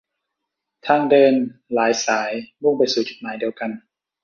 ทางเดินหลายสายมุ่งไปสู่จุดหมายเดียวกัน